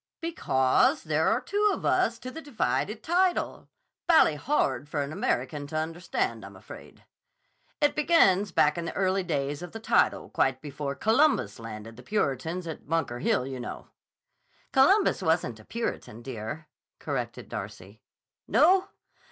"Because there are two of us to the divided title. Bally hard for an American to understand, I'm afraid. It begins back in the early days of the title, quite before Columbus landed the Puritans at Bunker Hill, you know." "Columbus wasn't a Puritan, dear," corrected Darcy. "No?